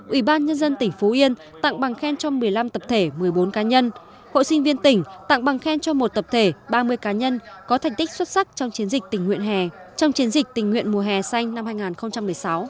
ủy ban nhân dân tỉnh phú yên tặng bằng khen cho một mươi năm tập thể một mươi bốn cá nhân hội sinh viên tỉnh tặng bằng khen cho một tập thể ba mươi cá nhân có thành tích xuất sắc trong chiến dịch tỉnh nguyện hè trong chiến dịch tình nguyện mùa hè xanh năm hai nghìn một mươi sáu